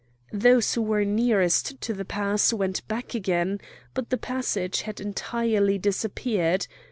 Those who were nearest to the pass went back again, but the passage had entirely disappeared.